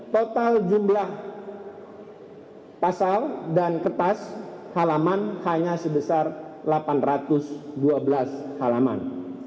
total jumlah pasal dan kertas halaman hanya sebesar delapan ratus dua belas halaman